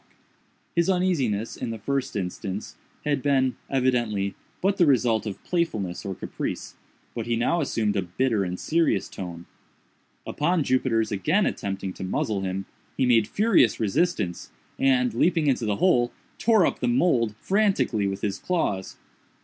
His uneasiness, in the first instance, had been, evidently, but the result of playfulness or caprice, but he now assumed a bitter and serious tone. Upon Jupiter's again attempting to muzzle him, he made furious resistance, and, leaping into the hole, tore up the mould frantically with his claws.